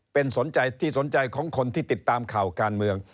เป็นที่สนใจของคนที่ติดตามข่าวการเมือง